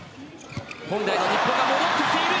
本来の日本が戻ってきている！